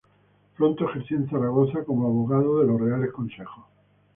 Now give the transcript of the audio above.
Pronto ejerció en Zaragoza como "Abogado de los Reales Consejos".